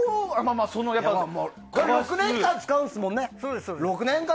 ６年間使うんですもんね。